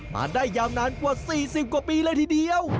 มาได้ยาวนานกว่า๔๐กว่าปีเลยทีเดียว